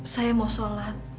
saya mau sholat